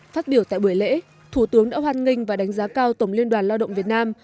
phát biểu tại buổi lễ thủ tướng đã hoan nghênh và đánh giá cao tổng liên đoàn lao động việt nam